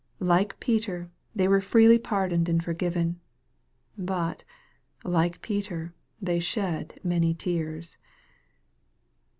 Like Peter, they were freely pardoned and forgiven. But, like Peter, they shed many tears.